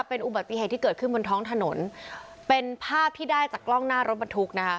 เป็นอุบัติเหตุที่เกิดขึ้นบนท้องถนนเป็นภาพที่ได้จากกล้องหน้ารถบรรทุกนะคะ